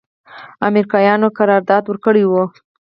امریکایانو قرارداد ورکړی و.